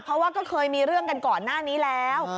เพราะว่าก็เคยมีเรื่องกันก่อนหน้านี้แล้ว